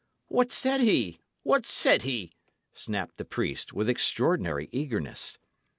"What said he? what said he?" snapped the priest, with extraordinary eagerness.